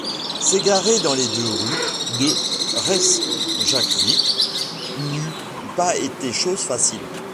S’égarer dans les deux rues de Reykjawik n’eût pas été chose facile.